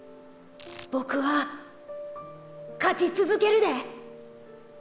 ボクは勝ち続けるで。